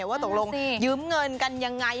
ว่าตกลงยืมเงินกันยังไง